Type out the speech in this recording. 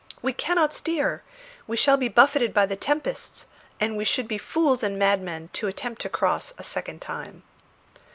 We cannot steer; we shall be buffeted by the tempests, and we should be fools and madmen to attempt to cross a second time."